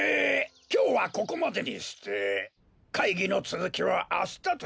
きょうはここまでにしてかいぎのつづきはあしたということで。